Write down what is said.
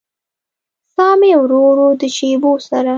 ساه مې ورو ورو د شېبو سره